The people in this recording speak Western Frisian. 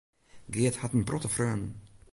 Geart hat in protte freonen.